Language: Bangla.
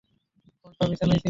ফোনটা বিছানায় ছিল।